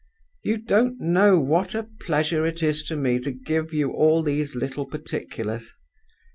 "You don't know what a pleasure it is to me to give you all these little particulars.